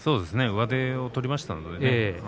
上手を取りましたのでね。